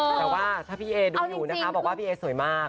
แต่ว่าถ้าพี่เอดูอยู่นะคะบอกว่าพี่เอสวยมาก